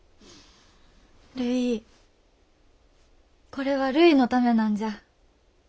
これはるいのためなんじゃ。